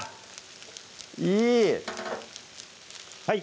いい！